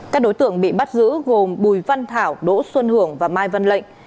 các đối tượng bị bắt giữ gồm bùi văn thảo đỗ xuân hưởng và mai văn lệnh